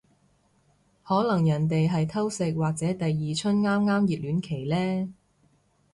可能人哋係偷食或者第二春啱啱熱戀期呢